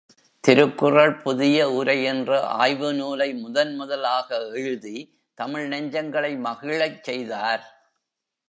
திருக்குறள் புதிய உரை என்ற ஆய்வு நூலை முதன் முதலாக எழுதி தமிழ் நெஞ்சங்களை மகிழச் செய்தார்.